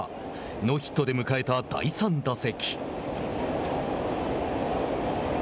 ノーヒットで迎えた第３打席。